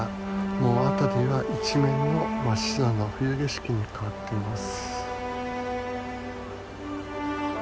もう辺りは一面の真っ白の冬景色に変わっています。